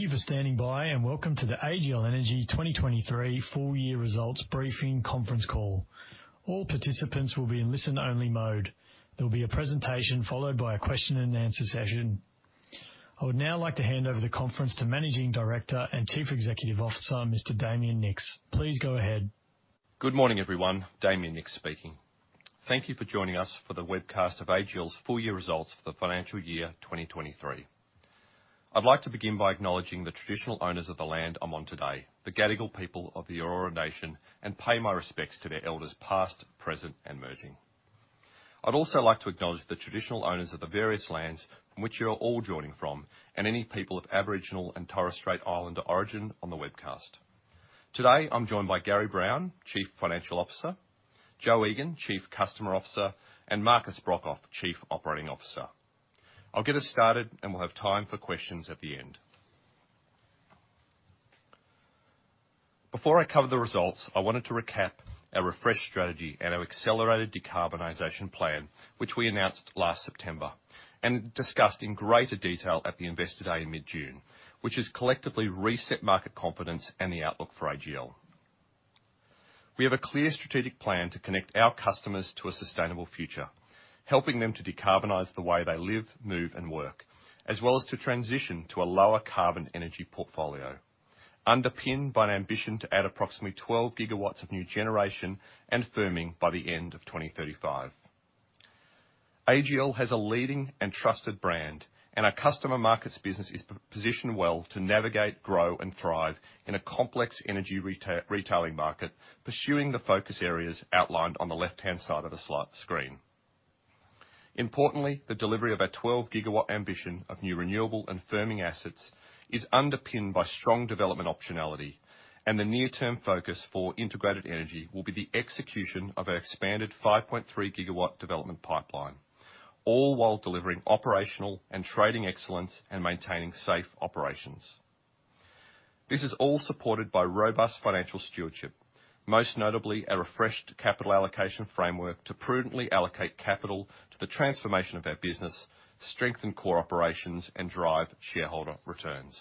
Thank you for standing by, and welcome to the AGL Energy 2023 Full Year Results Briefing Conference Call. All participants will be in listen-only mode. There will be a presentation followed by a question and answer session. I would now like to hand over the conference to Managing Director and Chief Executive Officer, Mr. Damien Nicks. Please go ahead. Good morning, everyone. Damien Nicks speaking. Thank you for joining us for the webcast of AGL's full year results for the financial year 2023. I'd like to begin by acknowledging the traditional owners of the land I'm on today, the Gadigal people of the Eora nation, and pay my respects to their elders, past, present, and emerging. I'd also like to acknowledge the traditional owners of the various lands from which you are all joining from, and any people of Aboriginal and Torres Strait Islander origin on the webcast. Today, I'm joined by Gary Brown, Chief Financial Officer, Jo Egan, Chief Customer Officer, and Markus Brokhof, Chief Operating Officer. I'll get us started, and we'll have time for questions at the end. Before I cover the results, I wanted to recap our refresh strategy and our accelerated decarbonization plan, which we announced last September, discussed in greater detail at the Investor Day in mid-June, which has collectively reset market confidence and the outlook for AGL. We have a clear strategic plan to connect our customers to a sustainable future, helping them to decarbonize the way they live, move, and work, as well as to transition to a lower carbon energy portfolio, underpinned by an ambition to add approximately 12 GW of new generation and firming by the end of 2035. AGL has a leading and trusted brand, and our customer markets business is positioned well to navigate, grow, and thrive in a complex energy retailing market, pursuing the focus areas outlined on the left-hand side of the slide screen. Importantly, the delivery of our 12 GW ambition of new renewable and firming assets is underpinned by strong development optionality, the near-term focus for integrated energy will be the execution of our expanded 5.3 GW development pipeline, all while delivering operational and trading excellence and maintaining safe operations. This is all supported by robust financial stewardship, most notably our refreshed capital allocation framework to prudently allocate capital to the transformation of our business, strengthen core operations and drive shareholder returns.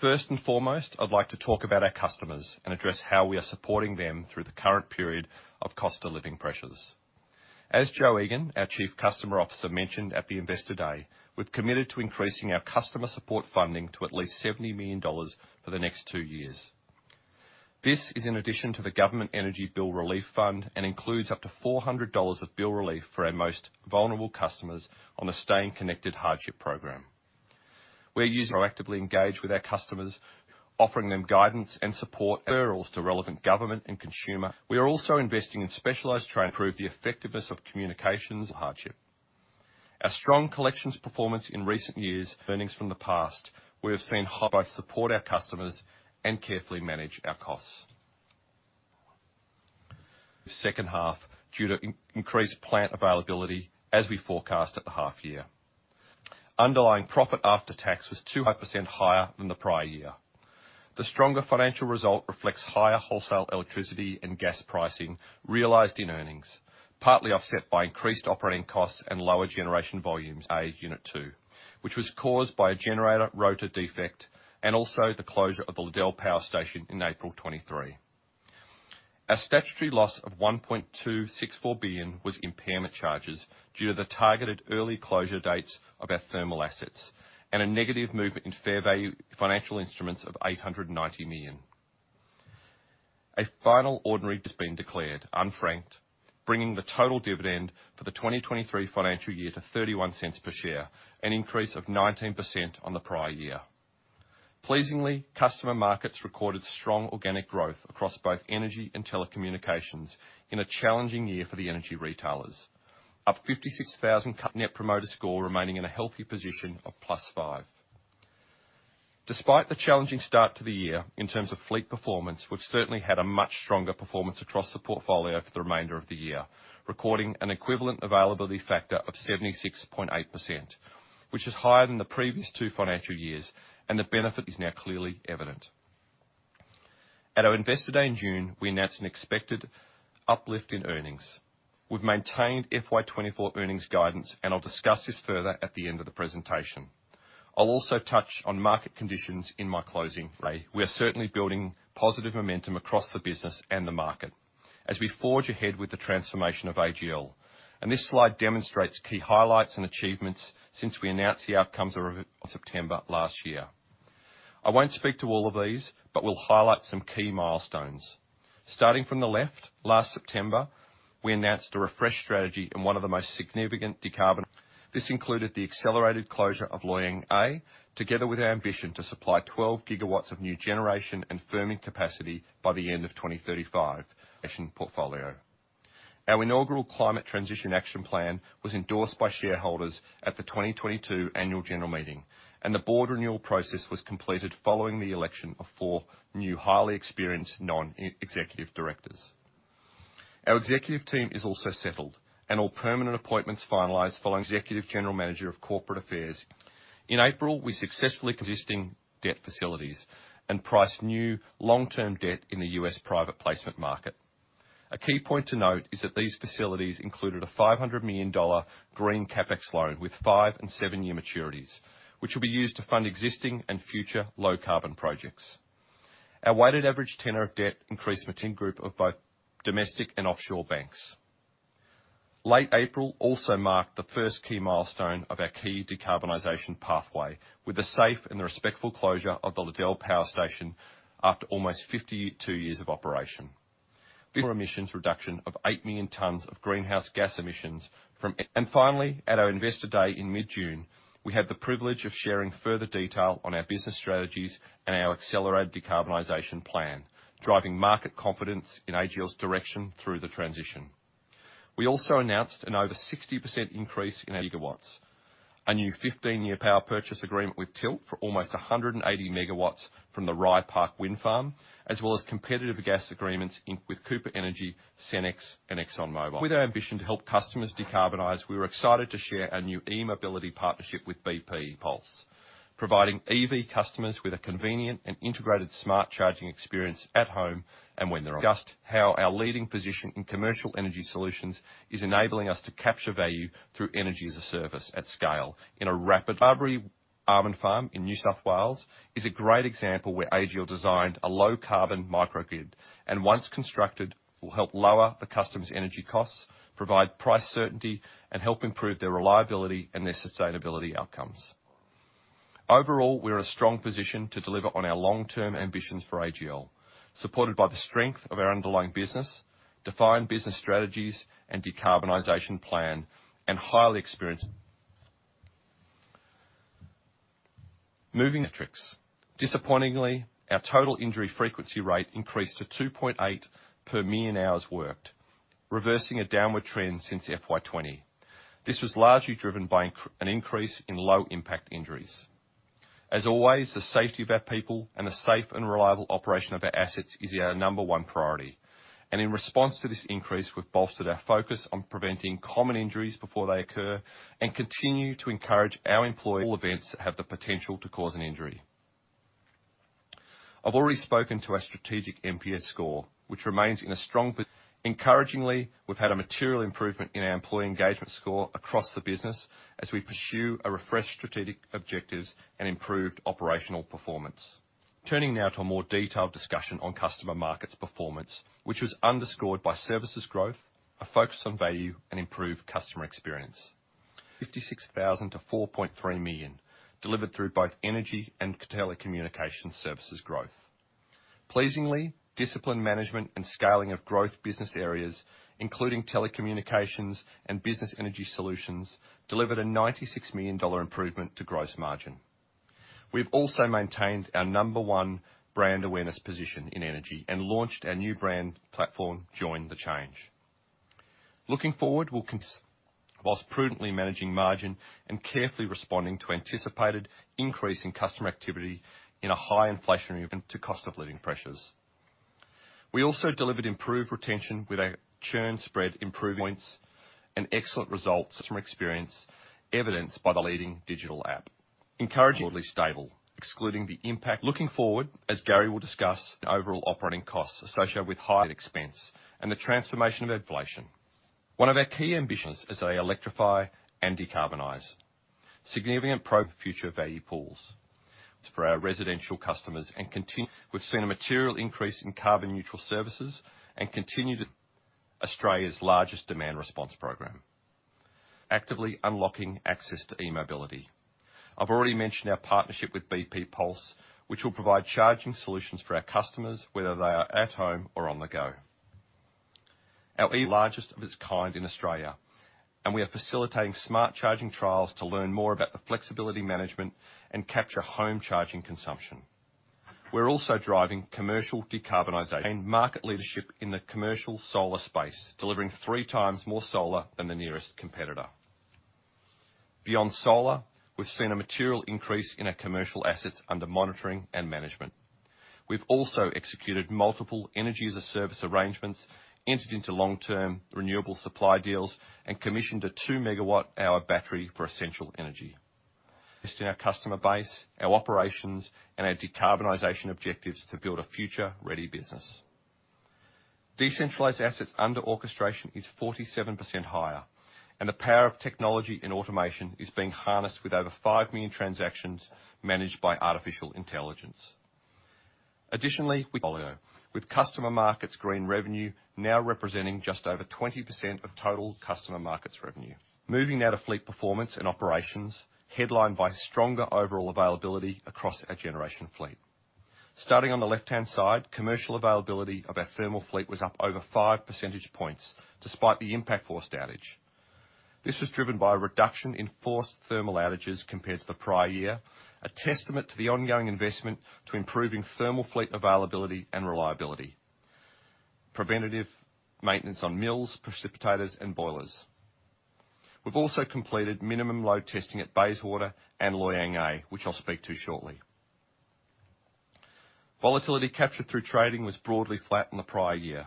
First and foremost, I'd like to talk about our customers and address how we are supporting them through the current period of cost-of-living pressures. As Jo Egan, our Chief Customer Officer, mentioned at the Investor Day, we've committed to increasing our customer support funding to at least 70 million dollars for the next two years. This is in addition to the Government Energy Bill Relief Fund and includes up to 400 dollars of bill relief for our most vulnerable customers on the Staying Connected hardship program. We're using proactively engage with our customers, offering them guidance and support, referrals to relevant government and consumer. We are also investing in specialized training, improve the effectiveness of communications, hardship. Our strong collections performance in recent years, earnings from the past, we have seen how to support our customers and carefully manage our costs. Second half, due to increased plant availability as we forecast at the half year. Underlying profit after tax was 200% higher than the prior year. The stronger financial result reflects higher wholesale electricity and gas pricing realized in earnings, partly offset by increased operating costs and lower generation volumes. A, unit two, which was caused by a generator rotor defect and also the closure of the Liddell Power Station in April 2023. Our statutory loss of 1.264 billion was impairment charges due to the targeted early closure dates of our thermal assets and a negative movement in fair value financial instruments of 890 million. A final ordinary has been declared, unfranked, bringing the total dividend for the 2023 financial year to 0.31 per share, an increase of 19% on the prior year. Pleasingly, customer markets recorded strong organic growth across both energy and telecommunications in a challenging year for the energy retailers. Up 56,000, net promoter score remaining in a healthy position of +5. Despite the challenging start to the year in terms of fleet performance, we've certainly had a much stronger performance across the portfolio for the remainder of the year, recording an equivalent availability factor of 76.8%, which is higher than the previous 2twofinancial years. The benefit is now clearly evident. At our Investor Day in June, we announced an expected uplift in earnings. We've maintained FY 2024 earnings guidance. I'll discuss this further at the end of the presentation. I'll also touch on market conditions in my closing way. We are certainly building positive momentum across the business and the market as we forge ahead with the transformation of AGL. This slide demonstrates key highlights and achievements since we announced the outcomes of September last year. I won't speak to all of these, but will highlight some key milestones. Starting from the left, last September, we announced a refreshed strategy in one of the most significant. This included the accelerated closure of Loy Yang A, together with our ambition to supply 12 GW of new generation and firming capacity by the end of 2035 nation portfolio. Our inaugural Climate Transition Action Plan was endorsed by shareholders at the 2022 Annual General Meeting, and the board renewal process was completed following the election of four new highly experienced non-executive directors. Our executive team is also settled, and all permanent appointments finalized following Executive General Manager of Corporate Affairs. In April, we successfully consisting debt facilities and priced new long-term debt in the U.S. private placement market. A key point to note is that these facilities included an 500 million dollar green CapEx loan with five and seven year maturities, which will be used to fund existing and future low-carbon projects. Our weighted average tenor of debt increased between group of both domestic and offshore banks. Late April also marked the first key milestone of our key decarbonization pathway, with the safe and respectful closure of the Liddell Power Station after almost 52 years of operation. For emissions reduction of eight million tons of greenhouse gas emissions. Finally, at our Investor Day in mid-June, we had the privilege of sharing further detail on our business strategies and our accelerated decarbonization plan, driving market confidence in AGL's direction through the transition. We also announced an over 60% increase in megawatts, a new 15 year power purchase agreement with Tilt for almost 180 MW from the Rye Park Wind Farm, as well as competitive gas agreements with Cooper Energy, Senex, and ExxonMobil. With our ambition to help customers decarbonize, we were excited to share a new e-mobility partnership with BP Pulse, providing EV customers with a convenient and integrated smart charging experience at home and when they're on. Just how our leading position in commercial energy solutions is enabling us to capture value through energy as a service at scale in a rapid- almond farm in New South Wales is a great example where AGL designed a low-carbon microgrid, and once constructed, will help lower the customer's energy costs, provide price certainty, and help improve their reliability and their sustainability outcomes. Overall, we're in a strong position to deliver on our long-term ambitions for AGL, supported by the strength of our underlying business, defined business strategies and decarbonization plan, and highly experienced. Moving metrics. Disappointingly, our total injury frequency rate increased to 2.8 per million hours worked, reversing a downward trend since FY 2020. This was largely driven by an increase in low-impact injuries. As always, the safety of our people and the safe and reliable operation of our assets is our number one priority, and in response to this increase, we've bolstered our focus on preventing common injuries before they occur and continue to encourage our employees- events have the potential to cause an injury. I've already spoken to our strategic NPS score, which remains in a strong po-. Encouragingly, we've had a material improvement in our employee engagement score across the business as we pursue a refreshed strategic objectives and improved operational performance. Turning now to a more detailed discussion on customer markets performance, which was underscored by services growth, a focus on value, and improved customer experience. 56,000 to 4.3 million, delivered through both energy and telecommunication services growth. Pleasingly, disciplined management and scaling of growth business areas, including telecommunications and business energy solutions, delivered an 96 million dollar improvement to gross margin. We've also maintained our number 1 brand awareness position in energy and launched our new brand platform, Join the Change. Looking forward, we'll con- whilst prudently managing margin and carefully responding to anticipated increase in customer activity in a high inflationary environment to cost of living pressures. We also delivered improved retention with our churn spread improving points and excellent results from experience, evidenced by the leading digital app. Encouragingly stable, excluding the impact. Looking forward, as Gary will discuss, overall operating costs associated with higher expense and the transformation of inflation. One of our key ambitions is to electrify and decarbonize. Significant future value pools for our residential customers. We've seen a material increase in carbon neutral services and continue to Australia's largest demand response program, actively unlocking access to e-mobility. I've already mentioned our partnership with BP Pulse, which will provide charging solutions for our customers, whether they are at home or on the go. Our largest of its kind in Australia, and we are facilitating smart charging trials to learn more about the flexibility management and capture home charging consumption. We're also driving commercial decarbonization and market leadership in the commercial solar space, delivering three times more solar than the nearest competitor. Beyond solar, we've seen a material increase in our commercial assets under monitoring and management. We've also executed multiple energy-as-a-service arrangements, entered into long-term renewable supply deals, and commissioned a 2-megawatt-hour battery for Essential Energy. In our customer base, our operations, and our decarbonization objectives to build a future-ready business. Decentralized assets under orchestration is 47% higher, and the power of technology and automation is being harnessed with over five million transactions managed by artificial intelligence. Additionally, with customer markets, green revenue now representing just over 20% of total customer markets revenue. Moving now to fleet performance and operations, headlined by stronger overall availability across our generation fleet. Starting on the left-hand side, commercial availability of our thermal fleet was up over 5 percentage points, despite the impact forced outage. This was driven by a reduction in forced thermal outages compared to the prior year, a testament to the ongoing investment to improving thermal fleet availability and reliability, preventative maintenance on mills, precipitators, and boilers. We've also completed minimum load testing at Bayswater and Loy Yang A, which I'll speak to shortly. Volatility captured through trading was broadly flat in the prior year,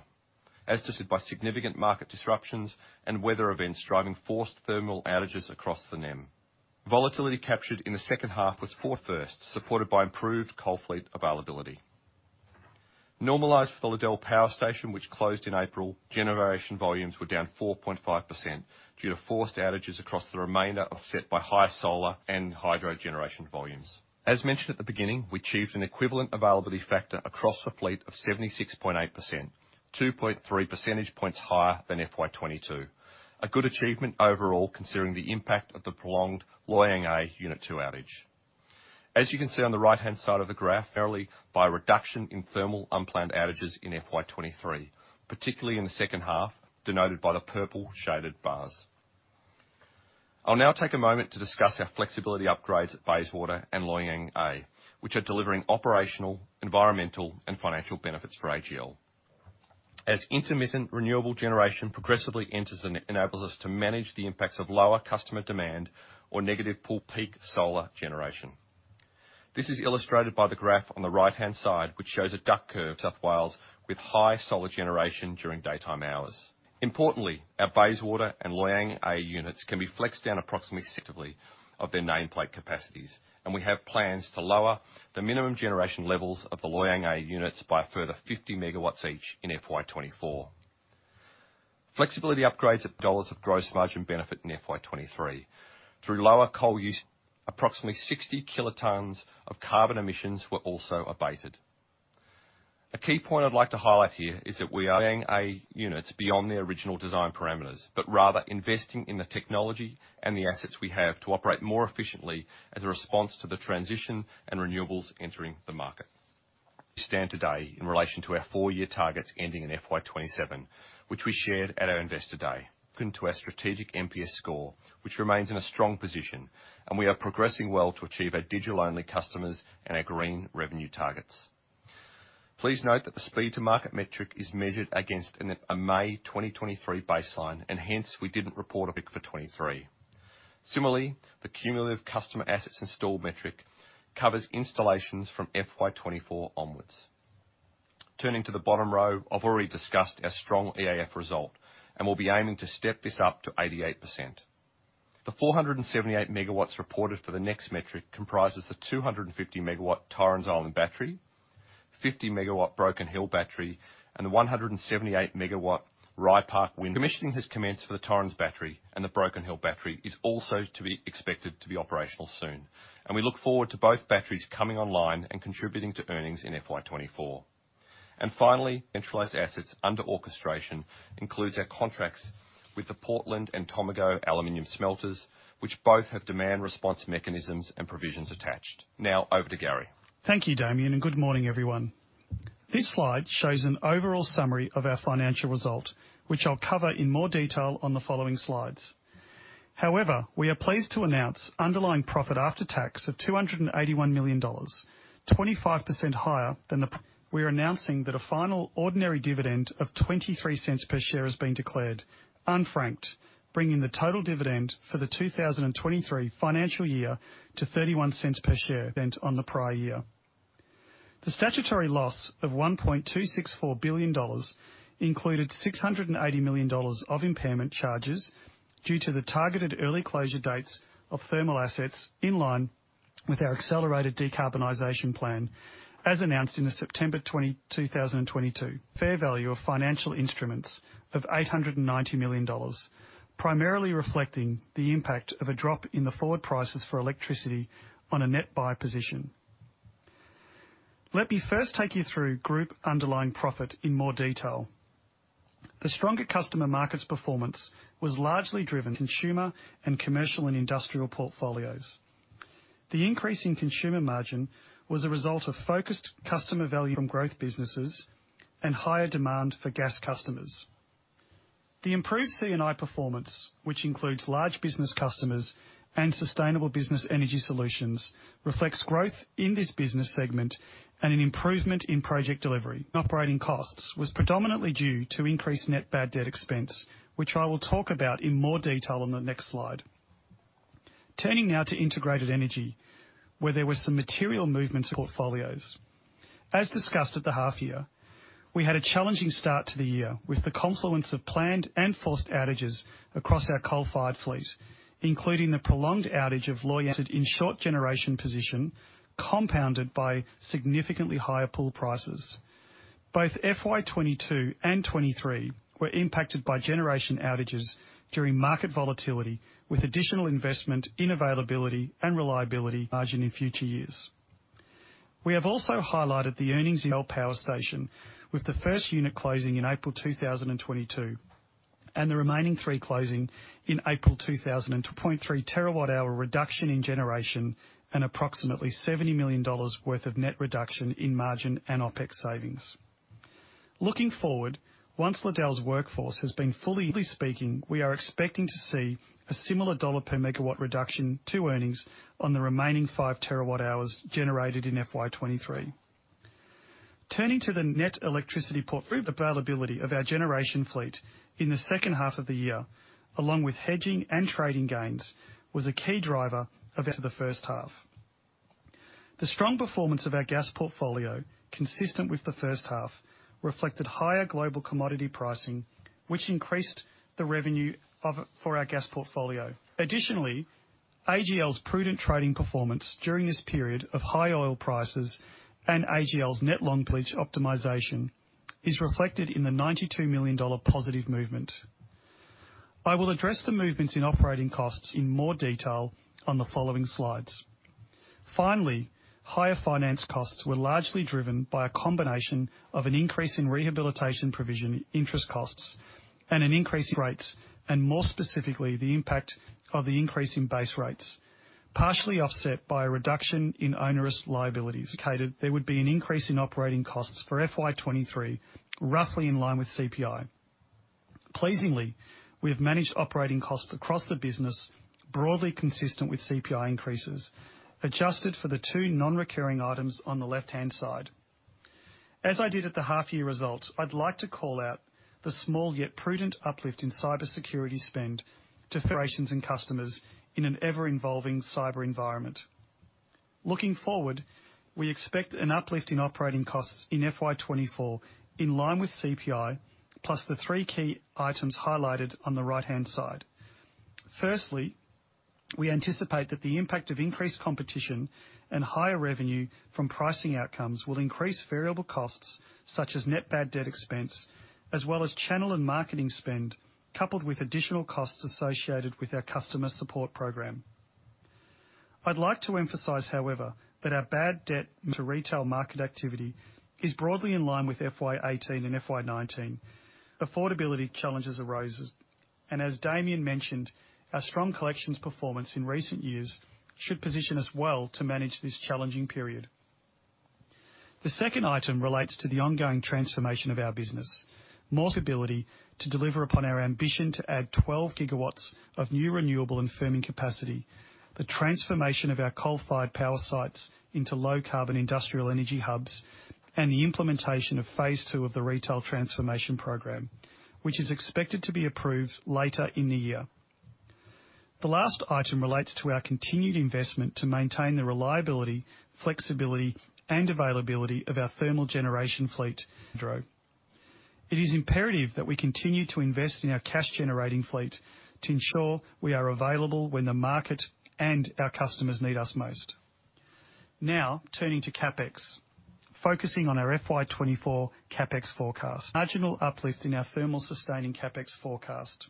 as to by significant market disruptions and weather events, driving forced thermal outages across the NEM. Volatility captured in the second half was first supported by improved coal fleet availability. Normalized for the Liddell Power Station, which closed in April, generation volumes were down 4.5% due to forced outages across the remainder, offset by high solar and hydro generation volumes. As mentioned at the beginning, we achieved an equivalent availability factor across the fleet of 76.8%, 2.3 percentage points higher than FY 2022. A good achievement overall, considering the impact of the prolonged Loy Yang A Unit Two outage. As you can see on the right-hand side of the graph, fairly by a reduction in thermal unplanned outages in FY 2023, particularly in the second half, denoted by the purple shaded bars. I'll now take a moment to discuss our flexibility upgrades at Bayswater and Loy Yang A, which are delivering operational, environmental, and financial benefits for AGL. Intermittent renewable generation progressively enters and enables us to manage the impacts of lower customer demand or negative pull peak solar generation. This is illustrated by the graph on the right-hand side, which shows a duct curve, New South Wales, with high solar generation during daytime hours. Importantly, our Bayswater and Loy Yang A units can be flexed down approximately of their nameplate capacities, and we have plans to lower the minimum generation levels of the Loy Yang A units by a further 50 MW each in FY 2024. Flexibility upgrades at dollars of gross margin benefit in FY 2023. Through lower coal use, approximately 60 kilotons of carbon emissions were also abated. A key point I'd like to highlight here is that we are getting a units beyond their original design parameters, but rather investing in the technology and the assets we have to operate more efficiently as a response to the transition and renewables entering the market. We stand today in relation to our four-year targets ending in FY 2027, which we shared at our Investor Day, into our strategic NPS score, which remains in a strong position, and we are progressing well to achieve our digital-only customers and our green revenue targets. Please note that the speed to market metric is measured against a May 2023 baseline, hence, we didn't report a pick for 2023. Similarly, the cumulative customer assets installed metric covers installations from FY 2024 onwards. Turning to the bottom row, I've already discussed our strong EAF result, we'll be aiming to step this up to 88%. The 478 MW reported for the next metric comprises the 250 MW Torrens Island battery, 50 MW Broken Hill battery, and the 178 MW Rye Park wind. Commissioning has commenced for the Torrens battery, and the Broken Hill battery is also to be expected to be operational soon, and we look forward to both batteries coming online and contributing to earnings in FY 2024. Finally, centralized assets under orchestration includes our contracts with the Portland and Tomago Aluminum Smelters, which both have demand response mechanisms and provisions attached. Now, over to Gary. Thank you, Damien. Good morning, everyone. This slide shows an overall summary of our financial result, which I'll cover in more detail on the following slides. However, we are pleased to announce underlying profit after tax of 281 million dollars, 25% higher than. We are announcing that a final ordinary dividend of 0.23 per share has been declared, unfranked, bringing the total dividend for the 2023 financial year to 0.31 per share on the prior year. The statutory loss of 1.264 billion dollars included 680 million dollars of impairment charges due to the targeted early closure dates of thermal assets in line with our accelerated decarbonization plan, as announced in the September 20, 2022. Fair value of financial instruments of 890 million dollars, primarily reflecting the impact of a drop in the forward prices for electricity on a net buy position. Let me first take you through group underlying profit in more detail. The stronger customer markets performance was largely driven consumer and commercial and industrial portfolios. The increase in consumer margin was a result of focused customer value on growth businesses and higher demand for gas customers. The improved C&I performance, which includes large business customers and sustainable business energy solutions, reflects growth in this business segment and an improvement in project delivery. Operating costs was predominantly due to increased net bad debt expense, which I will talk about in more detail on the next slide. Turning now to integrated energy, where there were some material movements in portfolios. As discussed at the half year, we had a challenging start to the year with the confluence of planned and forced outages across our coal-fired fleet, including the prolonged outage of Loy Yang In short generation position, compounded by significantly higher pool prices. Both FY 2022 and 2023 were impacted by generation outages during market volatility, with additional investment in availability and reliability margin in future years. We have also highlighted the earnings in Liddell Power Station, with the first unit closing in April 2022, and the remaining three closing in April 2002.3 TW hour reduction in generation and approximately 70 million dollars worth of net reduction in margin and OpEx savings. Looking forward, once Liddell's workforce has been fully speaking, we are expecting to see a similar dollar per megawatt reduction to earnings on the remaining five terawatt hours generated in FY 2023. Turning to the net electricity portfolio, availability of our generation fleet in the second half of the year, along with hedging and trading gains, was a key driver of the first half. The strong performance of our gas portfolio, consistent with the first half, reflected higher global commodity pricing, which increased the revenue for our gas portfolio. AGL's prudent trading performance during this period of high oil prices and AGL's net long hedge optimization is reflected in the $92 million positive movement. I will address the movements in operating costs in more detail on the following slides. Higher finance costs were largely driven by a combination of an increase in rehabilitation provision, interest costs, and an increase in rates, and more specifically, the impact of the increase in base rates, partially offset by a reduction in onerous liabilities. There would be an increase in operating costs for FY 2023, roughly in line with CPI. Pleasingly, we have managed operating costs across the business, broadly consistent with CPI increases, adjusted for the two non-recurring items on the left-hand side. As I did at the half-year results, I'd like to call out the small, yet prudent uplift in cybersecurity spend to operations and customers in an ever-involving cyber environment. Looking forward, we expect an uplift in operating costs in FY 2024, in line with CPI, plus the three key items highlighted on the right-hand side. Firstly, we anticipate that the impact of increased competition and higher revenue from pricing outcomes will increase variable costs, such as net bad debt expense, as well as channel and marketing spend, coupled with additional costs associated with our customer support program. I'd like to emphasize, however, that our bad debt to retail market activity is broadly in line with FY 2018 and FY 2019. Affordability challenges arises, as Damien mentioned, our strong collections performance in recent years should position us well to manage this challenging period. The second item relates to the ongoing transformation of our business. More ability to deliver upon our ambition to add 12 GW of new renewable and firming capacity, the transformation of our coal-fired power sites into low-carbon industrial energy hubs, and the implementation of phase two of the retail transformation program, which is expected to be approved later in the year. The last item relates to our continued investment to maintain the reliability, flexibility, and availability of our thermal generation fleet. It is imperative that we continue to invest in our cash-generating fleet to ensure we are available when the market and our customers need us most. Turning to CapEx, focusing on our FY 2024 CapEx forecast, marginal uplift in our thermal sustaining CapEx forecast.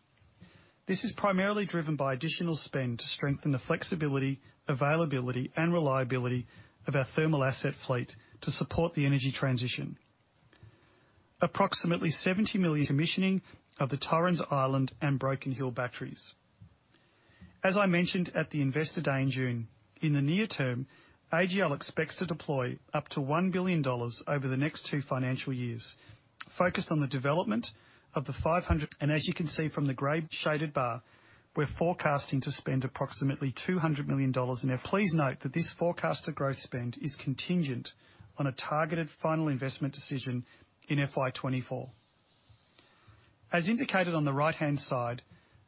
This is primarily driven by additional spend to strengthen the flexibility, availability, and reliability of our thermal asset fleet to support the energy transition. Approximately 70 million commissioning of the Torrens Island and Broken Hill batteries. As I mentioned at the Investor Day in June, in the near term, AGL expects to deploy up to 1 billion dollars over the next two financial years, focused on the development of the 500. As you can see from the gray shaded bar, we're forecasting to spend approximately 200 million dollars. Now, please note that this forecasted growth spend is contingent on a targeted final investment decision in FY 2024. As indicated on the right-hand side,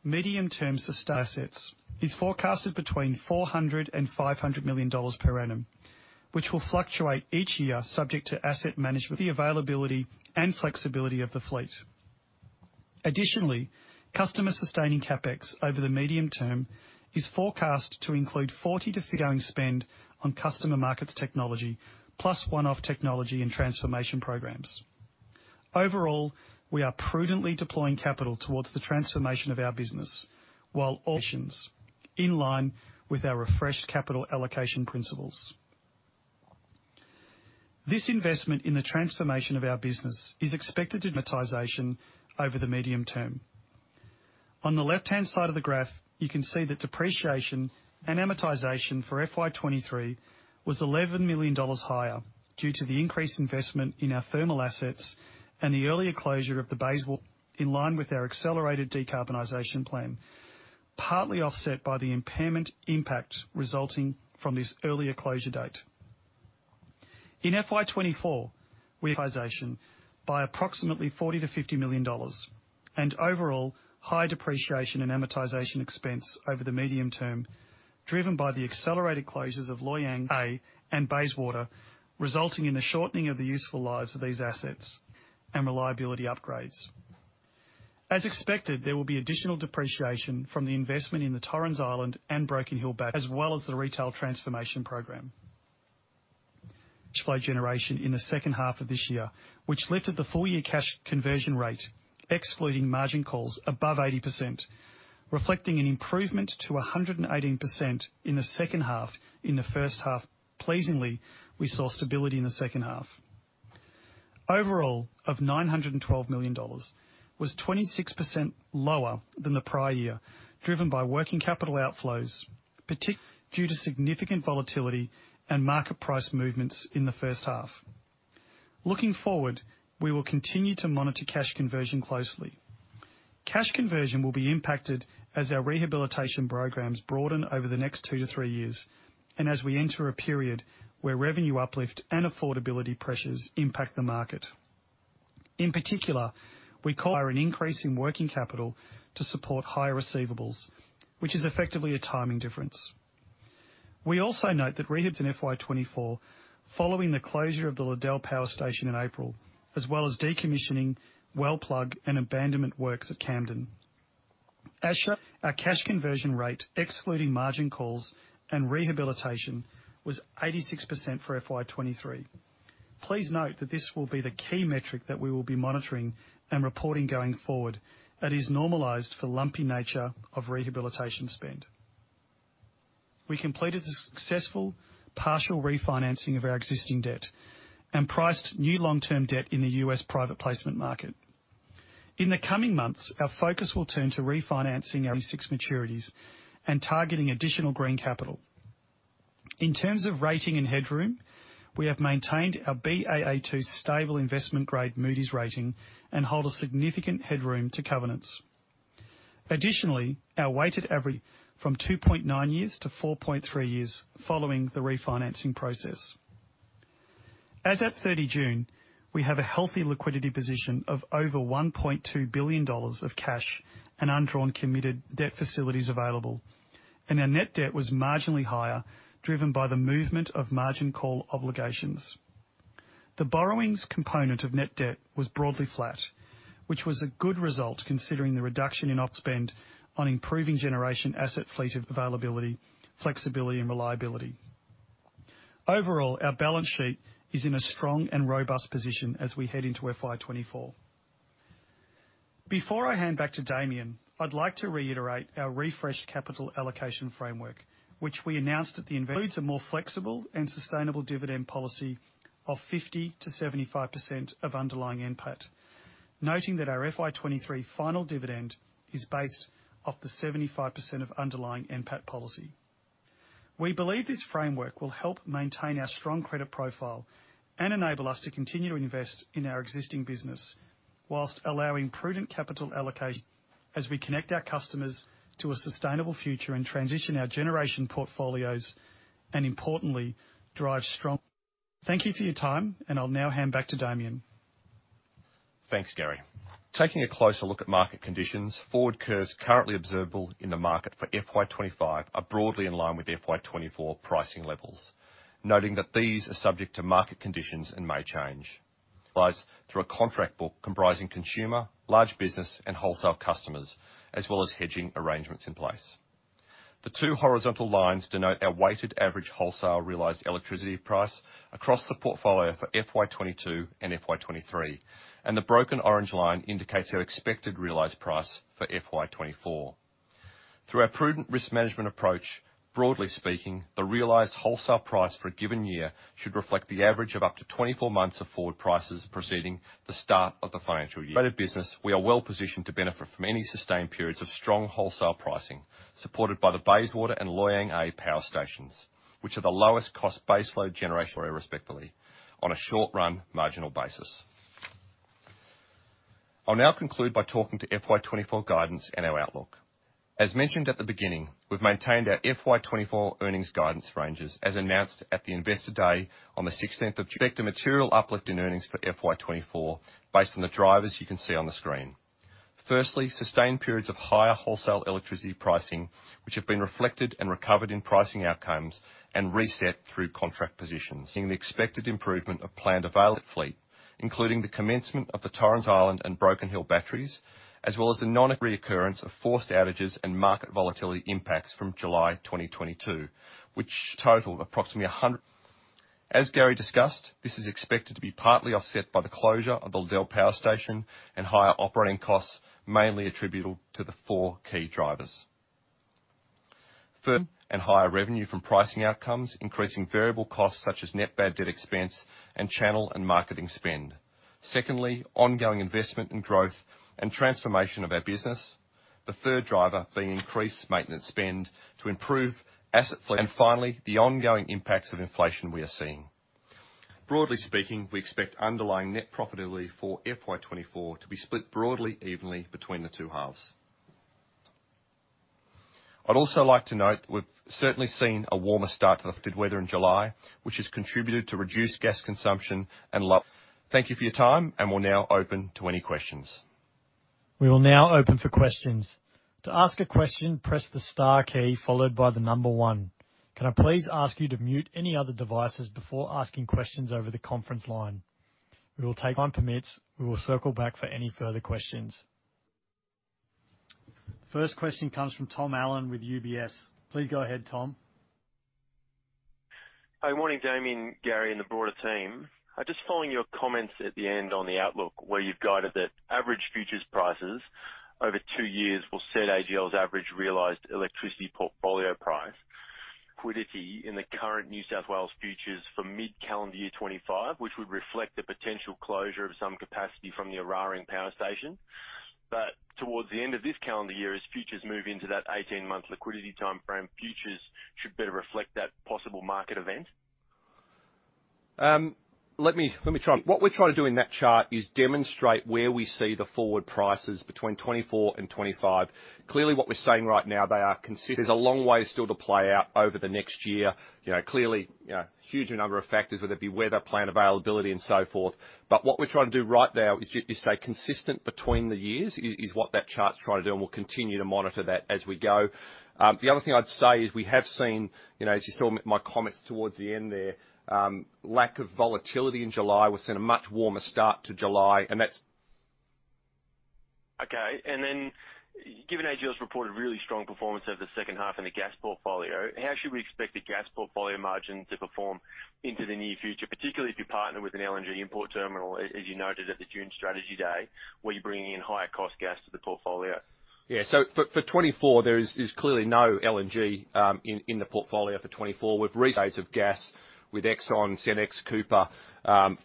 medium-term assets is forecasted between 400-500 million dollars per annum, which will fluctuate each year subject to asset management, the availability, and flexibility of the fleet. Additionally, customer-sustaining CapEx over the medium term is forecast to include 40 to figure ongoing spend on customer markets technology, plus one-off technology and transformation programs. Overall, we are prudently deploying capital towards the transformation of our business, while options in line with our refreshed capital allocation principles. This investment in the transformation of our business is expected to amortization over the medium term. On the left-hand side of the graph, you can see that depreciation and amortization for FY 2023 was AUD 11 million higher due to the increased investment in our thermal assets and the earlier closure of the Bayswater, in line with our accelerated decarbonization plan, partly offset by the impairment impact resulting from this earlier closure date. In FY 2024, we amortization by approximately 40 million-50 million dollars, and overall, high depreciation and amortization expense over the medium term, driven by the accelerated closures of Loy Yang A and Bayswater, resulting in the shortening of the useful lives of these assets and reliability upgrades. As expected, there will be additional depreciation from the investment in the Torrens Island and Broken Hill as well as the retail transformation program. Flow generation in the second half of this year, which lifted the full-year cash conversion rate, excluding margin calls above 80%, reflecting an improvement to 118% in the second half, in the first half. Pleasingly, we saw stability in the second half. Overall, of 912 million dollars was 26% lower than the prior year, driven by working capital outflows due to significant volatility and market price movements in the first half. Looking forward, we will continue to monitor cash conversion closely. Cash conversion will be impacted as our rehabilitation programs broaden over the next two to three years, and as we enter a period where revenue uplift and affordability pressures impact the market.... In particular, we call for an increase in working capital to support higher receivables, which is effectively a timing difference. We also note that rehabs in FY 2024, following the closure of the Liddell Power Station in April, as well as decommissioning, well plug, and abandonment works at Camden. Asha, our cash conversion rate, excluding margin calls and rehabilitation, was 86% for FY 2023. Please note that this will be the key metric that we will be monitoring and reporting going forward, that is normalized for lumpy nature of rehabilitation spend. We completed a successful partial refinancing of our existing debt and priced new long-term debt in the US private placement market. In the coming months, our focus will turn to refinancing our six maturities and targeting additional green capital. In terms of rating and headroom, we have maintained our Baa2 stable investment-grade Moody's rating and hold a significant headroom to covenants. Additionally, our weighted average from 2.9 years to 4.3 years following the refinancing process. As at 30 June, we have a healthy liquidity position of over $1.2 billion of cash and undrawn committed debt facilities available, and our net debt was marginally higher, driven by the movement of margin call obligations. The borrowings component of net debt was broadly flat, which was a good result, considering the reduction in op spend on improving generation asset fleet of availability, flexibility, and reliability. Overall, our balance sheet is in a strong and robust position as we head into FY 2024. Before I hand back to Damien, I'd like to reiterate our refreshed capital allocation framework, which we announced at the investor, includes a more flexible and sustainable dividend policy of 50%-75% of underlying NPAT, noting that our FY 2023 final dividend is based off the 75% of underlying NPAT policy. We believe this framework will help maintain our strong credit profile and enable us to continue to invest in our existing business, whilst allowing prudent capital allocation as we connect our customers to a sustainable future and transition our generation portfolios and importantly, drive strong. Thank you for your time, and I'll now hand back to Damien. Thanks, Gary. Taking a closer look at market conditions, forward curves currently observable in the market for FY 2025 are broadly in line with FY 2024 pricing levels, noting that these are subject to market conditions and may change. Lies through a contract book comprising consumer, large business, and wholesale customers, as well as hedging arrangements in place. The two horizontal lines denote our weighted average wholesale realized electricity price across the portfolio for FY 2022 and FY 2023, and the broken orange line indicates our expected realized price for FY 2024. Through our prudent risk management approach, broadly speaking, the realized wholesale price for a given year should reflect the average of up to 24 months of forward prices preceding the start of the financial year. Rate of business, we are well positioned to benefit from any sustained periods of strong wholesale pricing, supported by the Bayswater and Loy Yang A power stations, which are the lowest-cost base load generation, respectively, on a short-run marginal basis. I'll now conclude by talking to FY 2024 guidance and our outlook. As mentioned at the beginning, we've maintained our FY 2024 earnings guidance ranges, as announced at the Investor Day on the 16th of June. Expect a material uplift in earnings for FY 2024, based on the drivers you can see on the screen. Firstly, sustained periods of higher wholesale electricity pricing, which have been reflected and recovered in pricing outcomes and reset through contract positions. Seeing the expected improvement of planned available fleet, including the commencement of the Torrens Island and Broken Hill batteries, as well as the non-reoccurrence of forced outages and market volatility impacts from July 2022, which total approximately a hundred-. As Gary discussed, this is expected to be partly offset by the closure of the Liddell Power Station and higher operating costs, mainly attributable to the four key drivers. First, higher revenue from pricing outcomes, increasing variable costs such as net bad debt expense and channel and marketing spend. Secondly, ongoing investment in growth and transformation of our business. The third driver being increased maintenance spend to improve asset-. Finally, the ongoing impacts of inflation we are seeing. Broadly speaking, we expect underlying net profitability for FY 2024 to be split broadly evenly between the two halves. I'd also like to note we've certainly seen a warmer start to the weather in July, which has contributed to reduced gas consumption and low-. Thank you for your time, we'll now open to any questions. We will now open for questions. To ask a question, press the star key followed by one. Can I please ask you to mute any other devices before asking questions over the conference line? We will take time permits, we will circle back for any further questions. First question comes from Tom Allen with UBS. Please go ahead, Tom. Hi. Morning, Damien, Gary, and the broader team. I was just following your comments at the end on the outlook, where you've guided that average futures prices over two years will set AGL's average realized electricity portfolio price, liquidity in the current New South Wales futures for mid-calendar year 2025, which would reflect the potential closure of some capacity from the Oraring Power Station. Towards the end of this calendar year, as futures move into that 18 month liquidity timeframe, futures should better reflect that possible market event? Let me, let me try. What we're trying to do in that chart is demonstrate where we see the forward prices between 2024 and 2025. Clearly, what we're saying right now, they are consistent. There's a long way still to play out over the next year. You know, clearly, you know, huge number of factors, whether it be weather, plant availability, and so forth. What we're trying to do right now is stay consistent between the years, is, is what that chart's trying to do, and we'll continue to monitor that as we go. The other thing I'd say is we have seen, you know, as you saw my comments towards the end there, lack of volatility in July. We've seen a much warmer start to July, and that's Okay. Then given AGL's reported really strong performance over the second half in the gas portfolio, how should we expect the gas portfolio margin to perform into the near future, particularly if you partner with an LNG import terminal, as you noted at the June Strategy Day, where you're bringing in higher-cost gas to the portfolio? Yeah. So for, for 2024, there is, is clearly no LNG in the portfolio for 2024. We've of gas with Exxon, CNX, Cooper,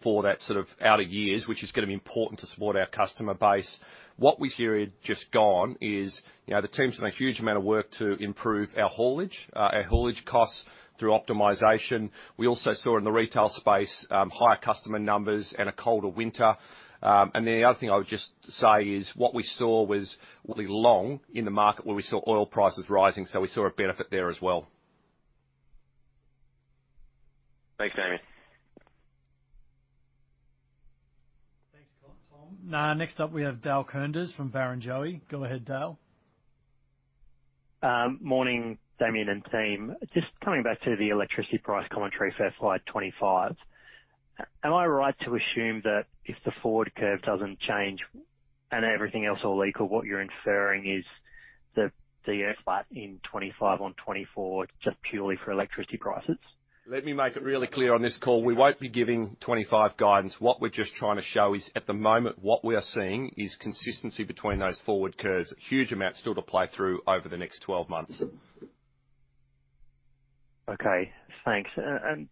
for that sort of outer years, which is gonna be important to support our customer base. What we hear just gone is, you know, the team's done a huge amount of work to improve our haulage, our haulage costs through optimization. We also saw in the retail space, higher customer numbers and a colder winter. Then the other thing I would just say is what we saw was long in the market, where we saw oil prices rising, so we saw a benefit there as well. Thanks, Damien. Thanks, Tom Allen. Next up, we have Dale Koenders from Barrenjoey. Go ahead, Dale. Morning, Damien and team. Just coming back to the electricity price commentary for slide 25. Am I right to assume that if the forward curve doesn't change and everything else all equal, what you're inferring is the, the flat in '25 on '24 just purely for electricity prices? Let me make it really clear on this call. We won't be giving 2025 guidance. What we're just trying to show is, at the moment, what we are seeing is consistency between those forward curves. Huge amount still to play through over the next 12 months. Okay. Thanks.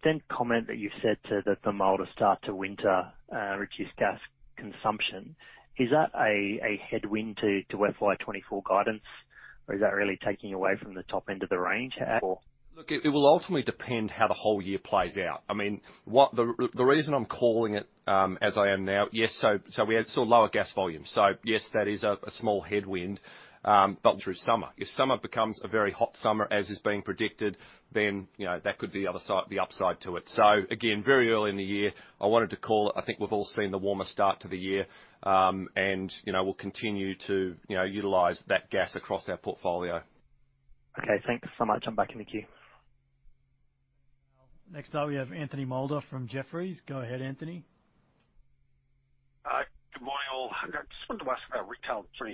Then comment that you said to that the milder start to winter, reduced gas consumption. Is that a headwind to FY 2024 guidance, or is that really taking away from the top end of the range at all? Look, it, it will ultimately depend how the whole year plays out. I mean, what the reason I'm calling it as I am now. Yes, we had saw lower gas volumes, so yes, that is a small headwind, but through summer. If summer becomes a very hot summer, as is being predicted, then, you know, that could be the other side, the upside to it. Again, very early in the year, I wanted to call it. I think we've all seen the warmer start to the year. You know, we'll continue to, you know, utilize that gas across our portfolio. Okay, thanks so much. I'm back in the queue. Next up, we have Anthony Moulder from Jefferies. Go ahead, Anthony. Good morning, all. I just wanted to ask about retail 23.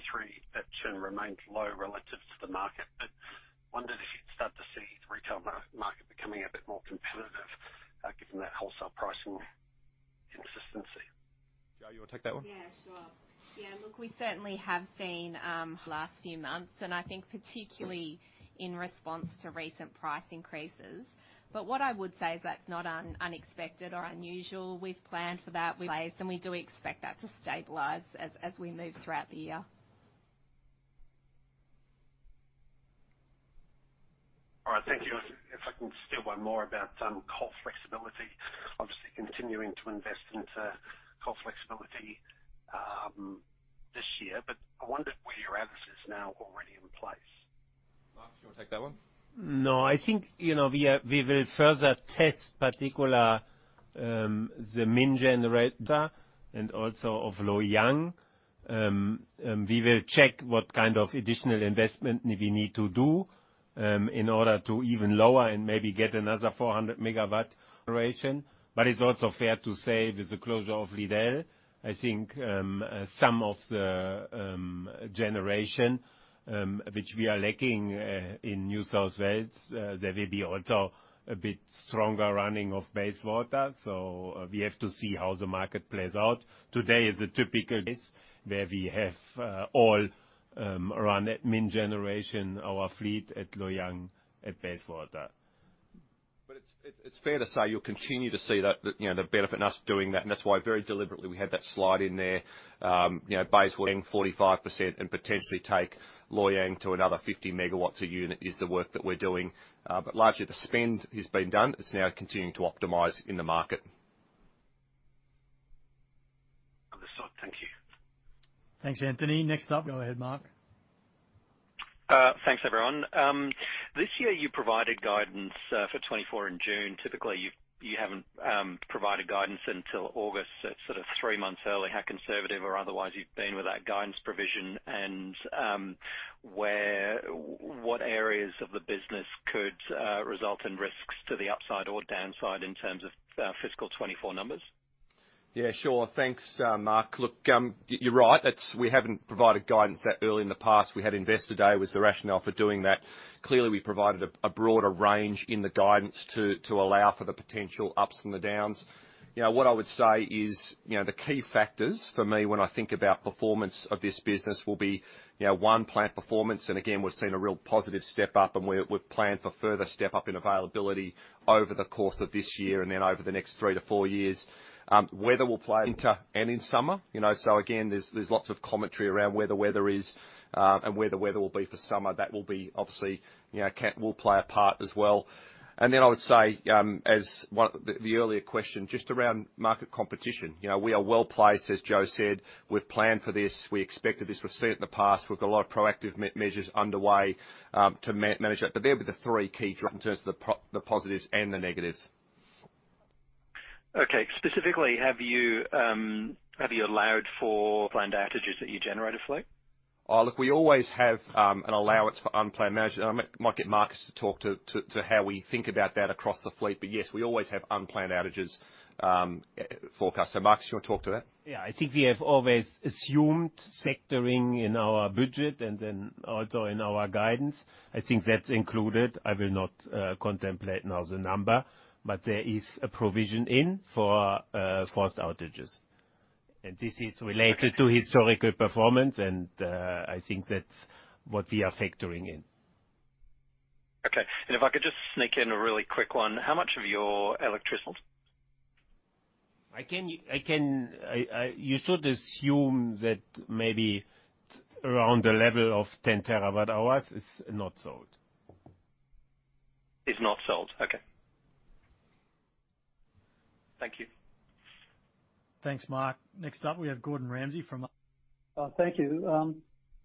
That churn remained low relative to the market, but wondered if you'd start to see the retail market becoming a bit more competitive, given that wholesale pricing consistency? Jo, you want to take that one? Yeah, sure. Yeah, look, we certainly have seen, last few months, and I think particularly in response to recent price increases. What I would say is that's not unexpected or unusual. We've planned for that, we place, and we do expect that to stabilize as, as we move throughout the year. All right, thank you. If I can still one more about coal flexibility. Obviously continuing to invest into coal flexibility this year, but I wondered where your emphasis is now already in place? Mark, do you want to take that one? No, I think, you know, we will further test, particular, the min generator and also of Loy Yang. We will check what kind of additional investment we need to do in order to even lower and maybe get another 400 MW generation. It's also fair to say, with the closure of Liddell, I think, some of the generation which we are lacking in New South Wales, there may be also a bit stronger running of Bayswater, so we have to see how the market plays out. Today is a typical case where we have all around min generation, our fleet at Loy Yang, at Bayswater. It's, it, it's fair to say you'll continue to see that, the, you know, the benefit of us doing that, and that's why very deliberately, we had that slide in there. You know, Bayswater 45% and potentially take Loy Yang to another 50 MW a unit is the work that we're doing. Largely the spend has been done. It's now continuing to optimize in the market. Understood. Thank you. Thanks, Anthony. Next up, go ahead, Mark. Thanks, everyone. This year, you provided guidance for 2024 in June. Typically, you've, you haven't provided guidance until August, so it's sort of three months early. How conservative or otherwise you've been with that guidance provision and where what areas of the business could result in risks to the upside or downside in terms of fiscal 2024 numbers? Yeah, sure. Thanks, Mark. Look, you're right. We haven't provided guidance that early in the past. We had Investor Day, was the rationale for doing that. Clearly, we provided a broader range in the guidance to allow for the potential ups and the downs. You know, what I would say is, you know, the key factors for me when I think about performance of this business will be, you know, one, plant performance, and again, we've seen a real positive step up, and we're, we've planned for further step up in availability over the course of this year and then over the next three to four years. Weather will play into and in summer, you know, so again, there's, there's lots of commentary around where the weather is, and where the weather will be for summer. That will be obviously, you know, will play a part as well. Then I would say, as one of the earlier question, just around market competition, you know, we are well placed, as Jo said. We've planned for this. We expected this. We've seen it in the past. We've got a lot of proactive measures underway to manage that. They're the three key drivers in terms of the positives and the negatives. Okay, specifically, have you, have you allowed for planned outages that you generate a fleet? Oh, look, we always have an allowance for unplanned measures. I might get Markus to talk to how we think about that across the fleet. Yes, we always have unplanned outages, forecasted. Markus, you want to talk to that? Yeah, I think we have always assumed sectoring in our budget and then also in our guidance. I think that's included. I will not contemplate now the number, but there is a provision in for forced outages. This is related to historical performance, and I think that's what we are factoring in. Okay. If I could just sneak in a really quick one. How much of your electricity? You should assume that maybe around the level of 10 TW hours is not sold. Is not sold. Okay. Thank you. Thanks, Mark. Next up, we have Gordon Ramsay from- Thank you.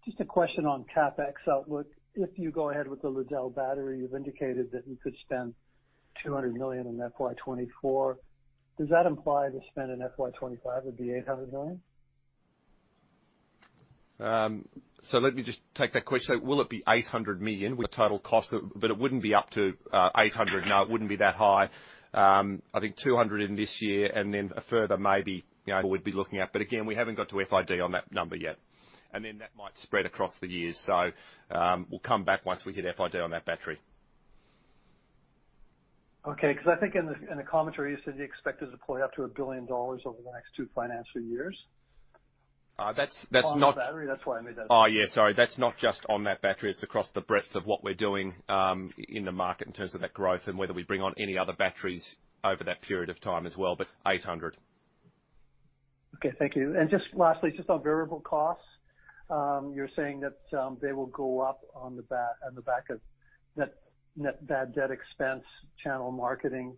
Just a question on CapEx outlook. If you go ahead with the Liddell Battery, you've indicated that you could spend 200 million in FY 2024. Does that imply the spend in FY 2025 would be 800 million? Let me just take that question. Will it be 800 million with total cost? It wouldn't be up to 800 million. No, it wouldn't be that high. I think 200 million in this year and then a further maybe, you know, we'd be looking at. Again, we haven't got to FID on that number yet, and then that might spread across the years. We'll come back once we hit FID on that battery. Okay. Because I think in the, in the commentary, you said you expected to deploy up to 1 billion dollars over the next two financial years. that's, that's not- On the battery, that's why I made that- Oh, yeah, sorry. That's not just on that battery. It's across the breadth of what we're doing in the market in terms of that growth and whether we bring on any other batteries over that period of time as well, but 800. Okay, thank you. Just lastly, just on variable costs, you're saying that they will go up on the back of net, net bad debt expense, channel marketing,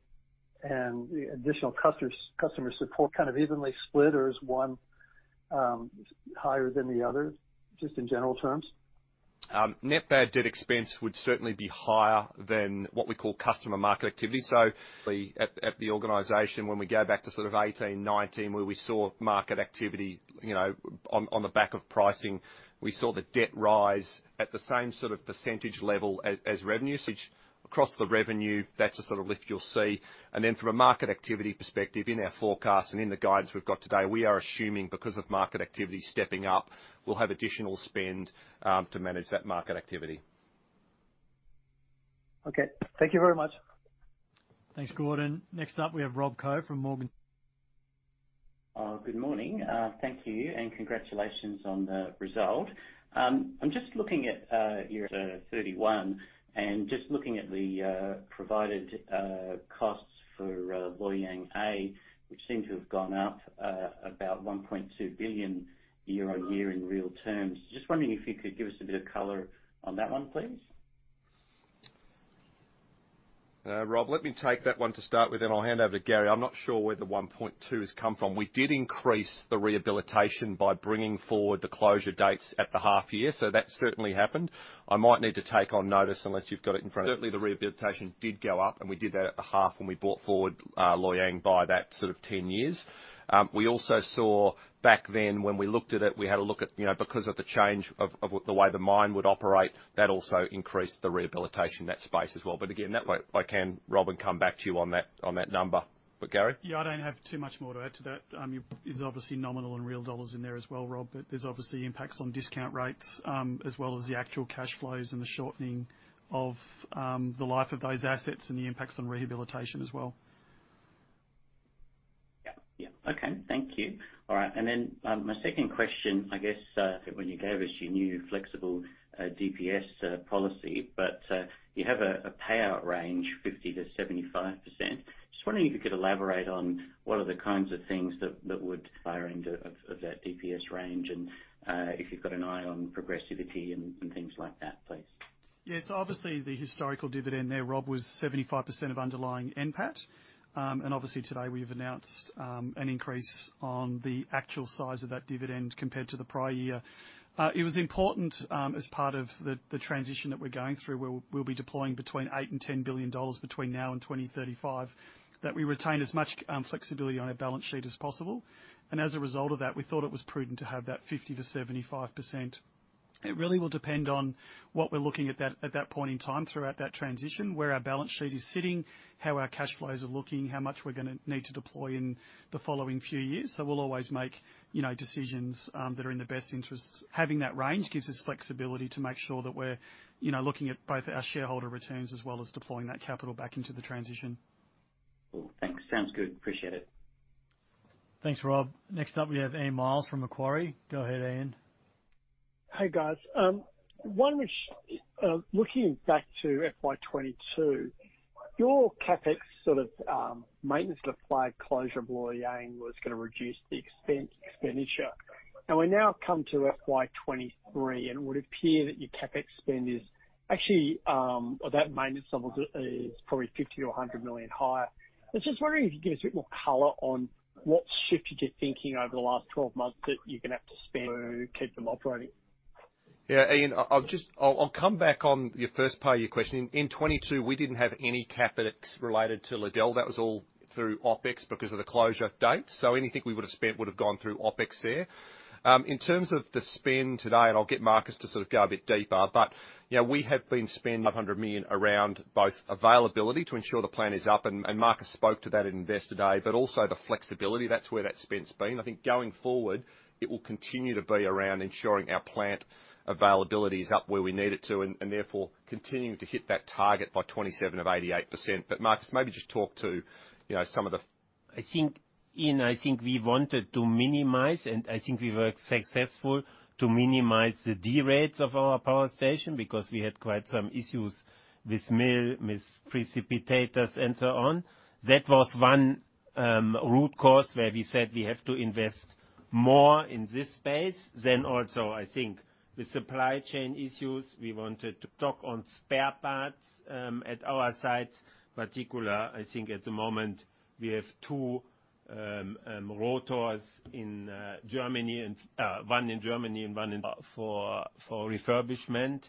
and additional customers, customer support kind of evenly split, or is one higher than the other, just in general terms? Net bad debt expense would certainly be higher than what we call customer market activity. At, at the organization, when we go back to sort of 18, 19, where we saw market activity, you know, on, on the back of pricing, we saw the debt rise at the same sort of % level as, as revenue. Which across the revenue, that's the sort of lift you'll see. From a market activity perspective, in our forecast and in the guidance we've got today, we are assuming, because of market activity stepping up, we'll have additional spend to manage that market activity. Okay. Thank you very much. Thanks, Gordon. Next up, we have Rob Koh from Morgan Stanley. Good morning. Thank you, and congratulations on the result. I'm just looking at your 31, and just looking at the provided costs for Loy Yang A, which seem to have gone up about 1.2 billion year-over-year in real terms. Just wondering if you could give us a bit of color on that one, please? Rob, let me take that one to start with, then I'll hand over to Gary. I'm not sure where the 1.2 has come from. We did increase the rehabilitation by bringing forward the closure dates at the half year, so that certainly happened. I might need to take on notice, unless you've got it in front of- Certainly, the rehabilitation did go up, and we did that at the half when we brought forward Loy Yang by that sort of 10 years. We also saw back then, when we looked at it, we had a look at, you know, because of the change of, of the way the mine would operate, that also increased the rehabilitation, that space as well. Again, that way I can, Rob, and come back to you on that, on that number. Gary? Yeah, I don't have too much more to add to that. There's obviously nominal and real dollars in there as well, Rob, but there's obviously impacts on discount rates, as well as the actual cash flows and the shortening of the life of those assets and the impacts on rehabilitation as well. Yeah. Yeah. Okay. Thank you. All right, and then, my second question, I guess, when you gave us your new flexible, DPS, policy, but, you have a, a payout range, 50% to 75%. Just wondering if you could elaborate on what are the kinds of things that, that would higher end of that DPS range? And, if you've got an eye on progressivity and, and things like that, please. Yes. Obviously, the historical dividend there, Rob, was 75% of underlying NPAT. Obviously, today, we've announced an increase on the actual size of that dividend compared to the prior year. It was important, as part of the transition that we're going through, where we'll be deploying between 8 billion and 10 billion dollars between now and 2035, that we retain as much flexibility on our balance sheet as possible. As a result of that, we thought it was prudent to have that 50% to 75%. It really will depend on what we're looking at that at that point in time throughout that transition, where our balance sheet is sitting, how our cash flows are looking, how much we're gonna need to deploy in the following few years. We'll always make, you know, decisions that are in the best interests. Having that range gives us flexibility to make sure that we're, you know, looking at both our shareholder returns as well as deploying that capital back into the transition. Cool. Thanks. Sounds good. Appreciate it. Thanks, Rob. Next up, we have Ian Myles from Macquarie. Go ahead, Ian. Hey, guys. One which, looking back to FY 2022, your CapEx sort of, maintenance applied closure of Loy Yang was gonna reduce the expense, expenditure. We now come to FY 2023, and it would appear that your CapEx spend is actually, or that maintenance level is probably 50 millionto 100 million higher. I was just wondering if you could give us a bit more color on what shifted your thinking over the last 12 months that you're gonna have to spend to keep them operating? Yeah, Ian, I'll, I'll come back on your first part of your question. In 2022, we didn't have any CapEx related to Liddell. That was all through OpEx because of the closure date. Anything we would've spent would've gone through OpEx there. In terms of the spend today, and I'll get Markus to sort of go a bit deeper, but, you know, we have been spending 100 million around both availability to ensure the plant is up, and Markus spoke to that at Investor Day, but also the flexibility, that's where that spend's been. I think going forward, it will continue to be around ensuring our plant availability is up where we need it to, and therefore, continuing to hit that target by 2027 of 88%. Markus, maybe just talk to, you know, some of the... I think, Ian, I think we wanted to minimize, and I think we were successful, to minimize the derates of our power station because we had quite some issues with mill, with precipitators, and so on. That was one root cause where we said we have to invest more in this space. Also, I think with supply chain issues, we wanted to stock on spare parts at our sites. Particular, I think at the moment we have two rotors in Germany and one for refurbishment.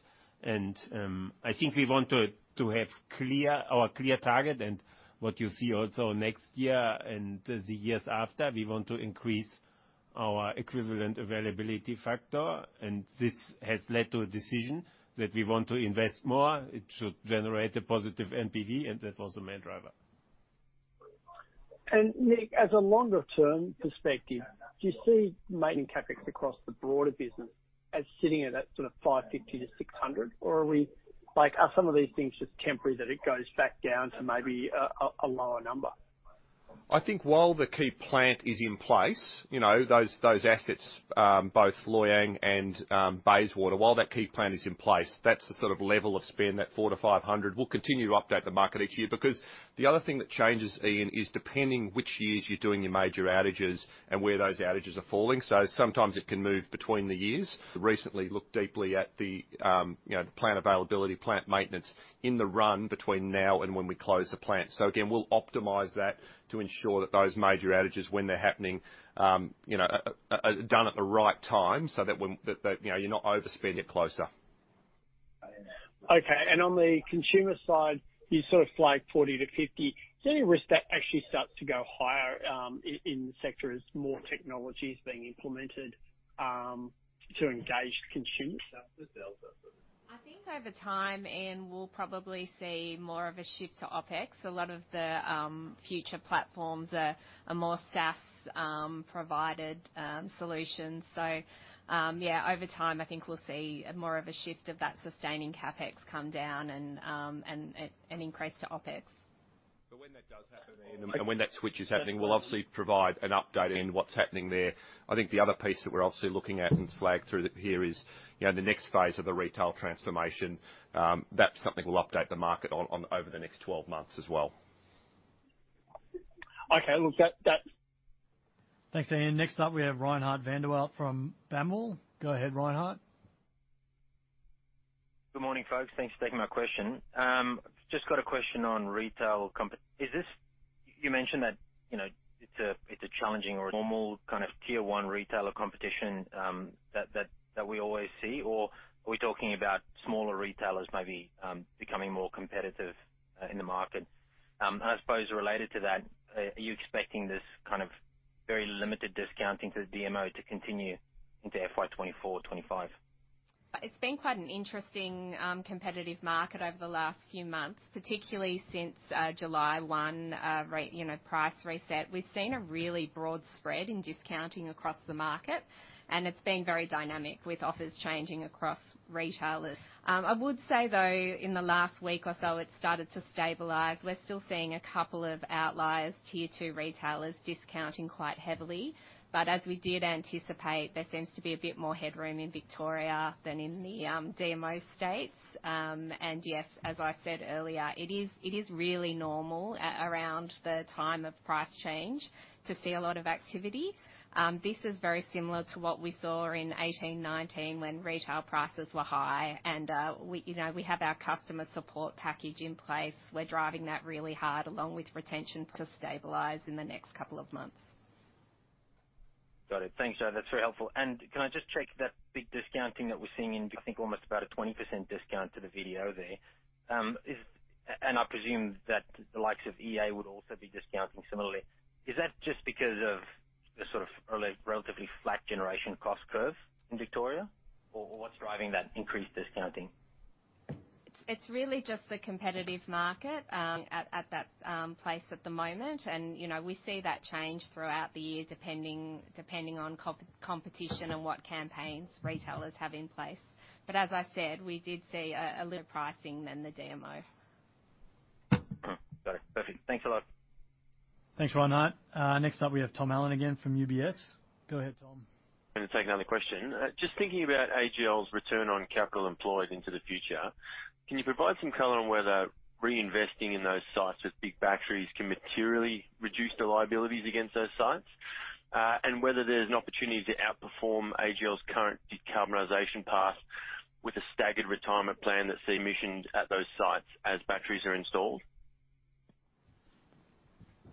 I think we want to have our clear target and what you see also next year and the years after, we want to increase our equivalent availability factor. This has led to a decision that we want to invest more. It should generate a positive NPV, and that was the main driver. Nicks, as a longer-term perspective, do you see maintenance CapEx across the broader business as sitting at that sort of 550 to 600, or are we, like, are some of these things just temporary, that it goes back down to maybe a lower number? I think while the key plant is in place, you know, those, those assets, both Loy Yang and Bayswater, while that key plant is in place, that's the sort of level of spend, that 400 tp 500 million. We'll continue to update the market each year, because the other thing that changes, Ian, is depending which years you're doing your major outages and where those outages are falling. Sometimes it can move between the years. Recently, looked deeply at the, you know, the plant availability, plant maintenance in the run between now and when we close the plant. Again, we'll optimize that to ensure that those major outages, when they're happening, you know, are done at the right time so that when, that, you know, you're not overspending it closer. Okay. On the consumer side, you sort of flagged 40 tp 50. Is there any risk that actually starts to go higher, in the sector as more technology is being implemented, to engage consumers? I think over time, Ian, we'll probably see more of a shift to OpEx. A lot of the future platforms are, are more SaaS provided solutions. Yeah, over time, I think we'll see more of a shift of that sustaining CapEx come down and, and, and increase to OpEx. When that does happen, Ian, and when that switch is happening, we'll obviously provide an update in what's happening there. I think the other piece that we're obviously looking at and flag through here is, you know, the next phase of the retail transformation. That's something we'll update the market on, on over the next 12 months as well. Okay. Look at that. Thanks, Ian. Next up, we have Reinhardt van der Walt from BAML. Go ahead, Reinhardt. Good morning, folks. Thanks for taking my question. Just got a question on retail comp-- Is this... You mentioned that, you know, it's a, it's a challenging or normal kind of tier one retailer competition, that we always see, or are we talking about smaller retailers maybe, becoming more competitive in the market? I suppose related to that, are you expecting this kind of very limited discounting to the DMO to continue into FY 2024-2025? It's been quite an interesting, competitive market over the last few months, particularly since July 1, you know, price reset. We've seen a really broad spread in discounting across the market, and it's been very dynamic, with offers changing across retailers. I would say, though, in the last week or so, it's started to stabilize. We're still seeing a couple of outliers, tier two retailers discounting quite heavily, but as we did anticipate, there seems to be a bit more headroom in Victoria than in the DMO states. And yes, as I said earlier, it is, it is really normal around the time of price change to see a lot of activity. This is very similar to what we saw in 2018 2019, when retail prices were high and we, you know, we have our customer support package in place. We're driving that really hard, along with retention, to stabilize in the next couple of months. Got it. Thanks, Jo. That's very helpful. Can I just check that big discounting that we're seeing in, I think, almost about a 20% discount to the VDO there, and I presume that the likes of EnergyAustralia would also be discounting similarly. Is that just because of the sort of early, relatively flat generation cost curve in Victoria, or, or what's driving that increased discounting? It's, it's really just the competitive market, at, at that, place at the moment. You know, we see that change throughout the year, depending, depending on competition and what campaigns retailers have in place. As I said, we did see a, a little pricing than the DMO. Got it. Perfect. Thanks a lot. Thanks, Reinhardt. Next up, we have Tom Allen again from UBS. Go ahead, Tom. I'm gonna take another question. Just thinking about AGL's return on capital employed into the future, can you provide some color on whether reinvesting in those sites with big batteries can materially reduce the liabilities against those sites? Whether there's an opportunity to outperform AGL's current decarbonization path with a staggered retirement plan that see emissions at those sites as batteries are installed?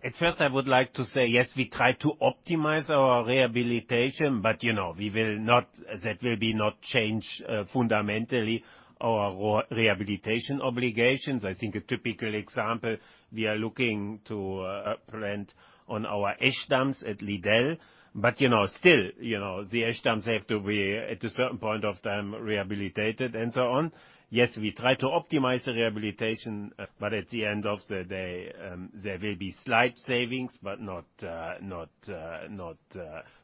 At first, I would like to say, yes, we try to optimize our rehabilitation, but, you know, we will not-- that will be not change, fundamentally our re-rehabilitation obligations. I think a typical example, we are looking to, plant on our ash dams at Liddell, but, you know, still, you know, the ash dams have to be, at a certain point of time, rehabilitated and so on. Yes, we try to optimize the rehabilitation, but at the end of the day, there will be slight savings, but not, not, not,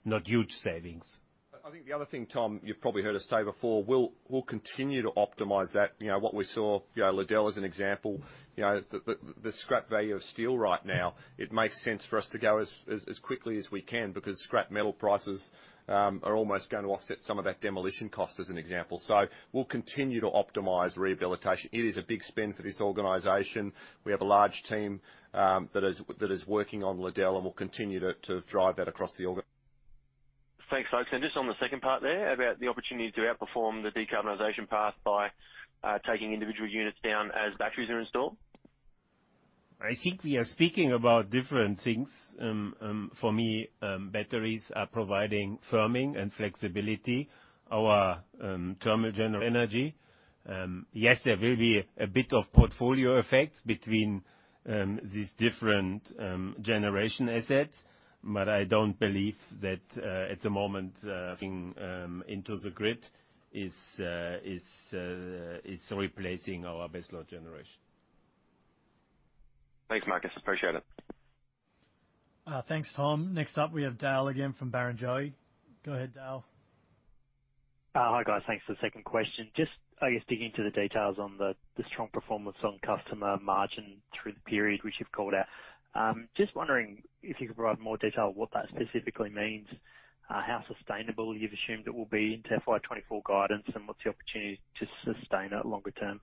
not huge savings. I think the other thing, Tom, you've probably heard us say before, we'll continue to optimize that. You know, what we saw, you know, Liddell as an example, you know, the scrap value of steel right now, it makes sense for us to go as quickly as we can, because scrap metal prices are almost going to offset some of that demolition cost, as an example. We'll continue to optimize rehabilitation. It is a big spend for this organization. We have a large team that is working on Liddell, and we'll continue to drive that across the org. Thanks, folks. Just on the second part there, about the opportunity to outperform the decarbonization path by taking individual units down as batteries are installed? I think we are speaking about different things. For me, batteries are providing firming and flexibility. Our thermal general energy, yes, there will be a bit of portfolio effect between these different generation assets, but I don't believe that at the moment into the grid is replacing our base load generation. Thanks, Markus. Appreciate it. Thanks, Tom. Next up, we have Dale again from Barrenjoey. Go ahead, Dale. Hi, guys. Thanks for the second question. Just, I guess, digging into the details on the, the strong performance on customer margin through the period, which you've called out. Just wondering if you could provide more detail on what that specifically means, how sustainable you've assumed it will be into FY 2024 guidance, and what's the opportunity to sustain it longer term?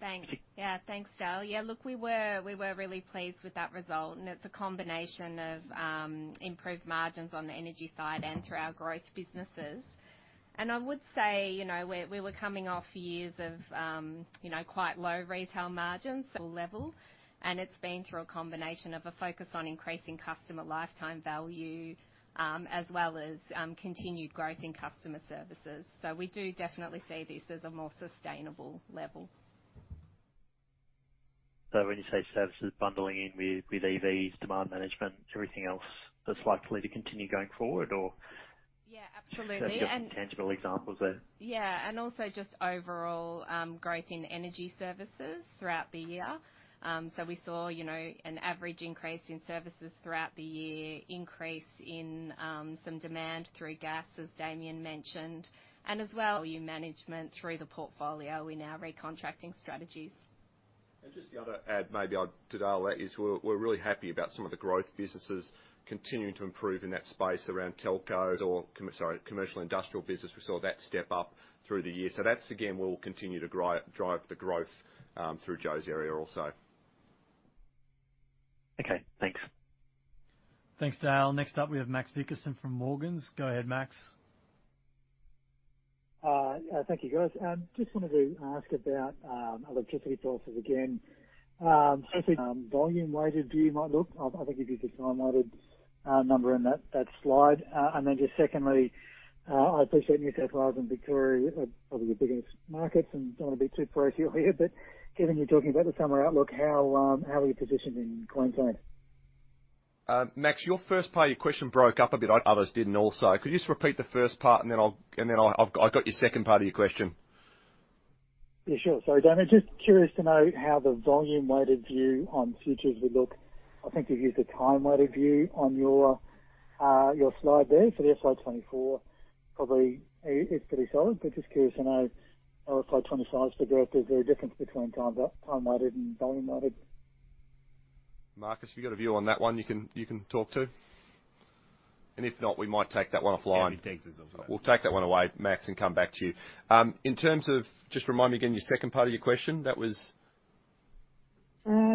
Thanks. Yeah, thanks, Dale. Yeah, look, we were, we were really pleased with that result, and it's a combination of improved margins on the energy side and through our growth businesses. I would say, you know, we, we were coming off years of, you know, quite low retail margins level, and it's been through a combination of a focus on increasing customer lifetime value, as well as continued growth in customer services. We do definitely see this as a more sustainable level. When you say services, bundling in with, with EVs, demand management, everything else that's likely to continue going forward, or? Yeah, absolutely. Just some tangible examples there. Yeah, and also just overall, growth in energy services throughout the year. We saw, you know, an average increase in services throughout the year, increase in some demand through gas, as Damien mentioned, and as well, value management through the portfolio in our recontracting strategies. Just the other add, maybe I'll to Dale, that is we're really happy about some of the growth businesses continuing to improve in that space around telcos or commercial industrial business. We saw that step up through the year. That's, again, where we'll continue to drive the growth through Jo's area also. Okay, thanks. Thanks, Dale. Next up, we have Max Vickerson from Morgans. Go ahead, Max. Yeah, thank you, guys. Just wanted to ask about electricity prices again. Volume weighted, do you might look? I think you gave the time-weighted number in that, that slide. Then just secondly, I appreciate New South Wales and Victoria are probably your biggest markets, and don't want to be too prerequisite here but given you're talking about the summer outlook, how are you positioned in Queensland? Max, your first part of your question broke up a bit. Others didn't also. Could you just repeat the first part and then I'll... I've got your second part of your question. Yeah, sure. Sorry, Damien. Just curious to know how the volume-weighted view on futures would look. I think you gave the time-weighted view on your, your slide there. The FY 2024 probably is pretty solid, but just curious to know how FY 2025 looks, is there a difference between time, time-weighted and volume-weighted? Markus, have you got a view on that one you can, you can talk to? If not, we might take that one offline. He takes it as well. We'll take that one away, Max, and come back to you. In terms of... Just remind me again, your second part of your question. That was?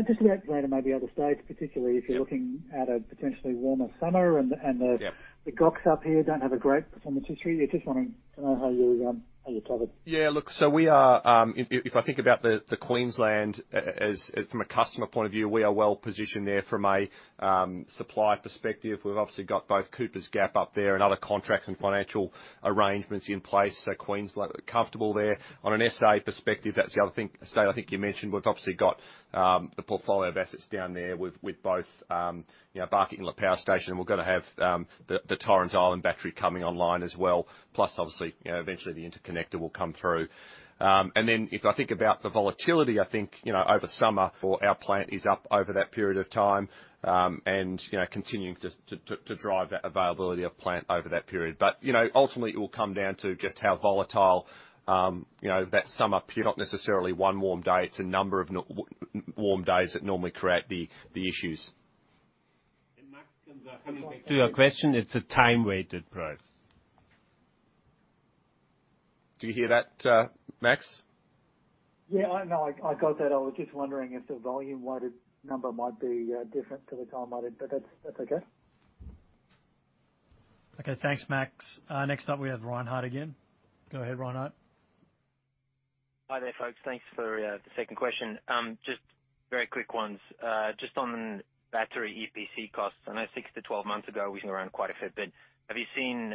just about later, maybe other states, particularly- Yep. if you're looking at a potentially warmer summer and the... Yep. The GOCs up here don't have a great performance history. I just wanting to know how you're, how you're covered. Yeah, look, we are, if I think about the Queensland as from a customer point of view, we are well positioned there from a supply perspective. We've obviously got both Cooper's Gap up there and other contracts and financial arrangements in place, Queensland comfortable there. On an SA perspective, that's the other thing, state I think you mentioned. We've obviously got the portfolio of assets down there with both, you know, Barker and La Paz station, and we're going to have the Torrens Island battery coming online as well. Obviously, you know, eventually, the interconnector will come through. Then if I think about the volatility, I think, you know, over summer for our plant is up over that period of time, and, you know, continuing to, to, to, to drive that availability of plant over that period. You know, ultimately, it will come down to just how volatile, you know, that summer. It's not necessarily one warm day, it's a number of warm days that normally create the, the issues. Max, coming back to your question, it's a time-weighted price. Did you hear that, Max? Yeah, I know. I, I got that. I was just wondering if the volume-weighted number might be different to the time-weighted, but that's, that's okay. Okay, thanks, Max. Next up, we have Reinhardt again. Go ahead, Reinhardt. Hi there, folks. Thanks for the second question. Just very quick ones. Just on battery EPC costs. I know 6 to 12 months ago it was around quite a fair bit. Have you seen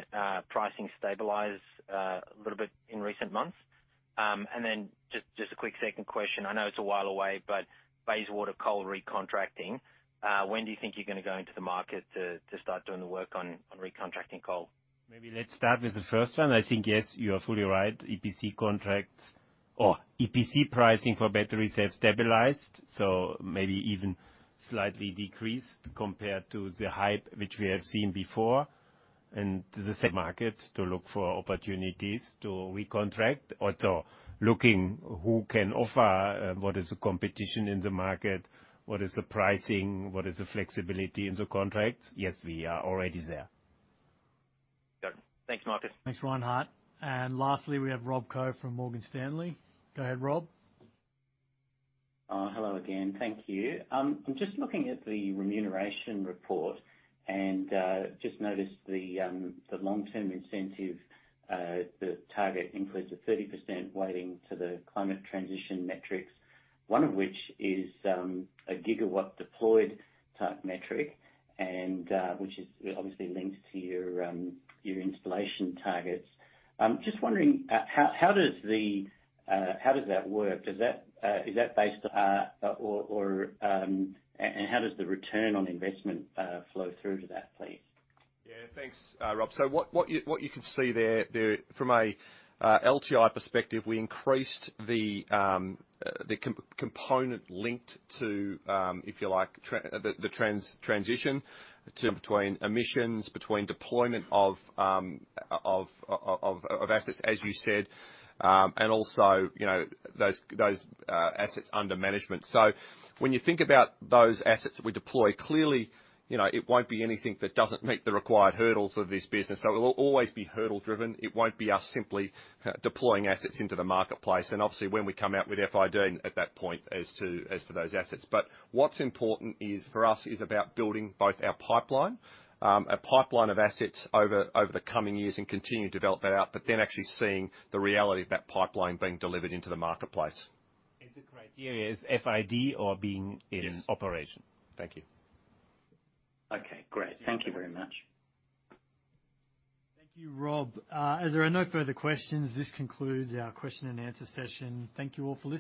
pricing stabilize a little bit in recent months? Then just, just a quick second question. I know it's a while away, Bayswater Coal recontracting, when do you think you're going to go into the market to, to start doing the work on, on recontracting coal? Maybe let's start with the first one. I think, yes, you are fully right. EPC contracts or EPC pricing for batteries have stabilized, so maybe even slightly decreased compared to the hype which we have seen before. The second market, to look for opportunities to recontract or to looking who can offer, what is the competition in the market? What is the pricing? What is the flexibility in the contracts? Yes, we are already there. Got it. Thanks, Markus. Thanks, Reinhardt. Lastly, we have Rob Koh from Morgan Stanley. Go ahead, Rob. Hello again. Thank you. I'm just looking at the remuneration report and just noticed the long-term incentive, the target includes a 30% weighting to the Climate Transition metrics, one of which is a gigawatt deployed type metric, which is obviously linked to your installation targets. I'm just wondering how does that work? Is that based or and how does the return on investment flow through to that, please? Yeah, thanks, Rob. What, what you, what you can see there, there from a LTI perspective, we increased the component linked to, if you like, the transition to between emissions, between deployment of assets, as you said, and also, you know, those, those assets under management. When you think about those assets we deploy, clearly, you know, it won't be anything that doesn't meet the required hurdles of this business, so it will always be hurdle-driven. It won't be us simply deploying assets into the marketplace, and obviously, when we come out with FID at that point as to, as to those assets. What's important is, for us, is about building both our pipeline, a pipeline of assets over, over the coming years and continue to develop that out, but then actually seeing the reality of that pipeline being delivered into the marketplace. Is the criteria is FID or being in- Yes, operation. Thank you. Okay, great. Thank you very much. Thank you, Rob. As there are no further questions, this concludes our question and answer session. Thank you all for joining.